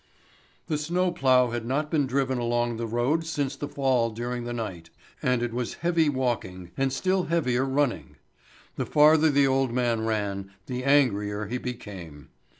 The snow plough had not been driven along the road since the fall during the night, and it was heavy walking and still heavier running. The farther the old man ran, the angrier he became.